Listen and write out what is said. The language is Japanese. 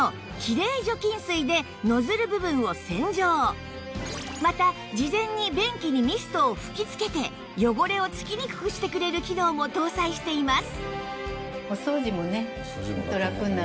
そしてなんとまた事前に便器にミストを吹き付けて汚れを付きにくくしてくれる機能も搭載しています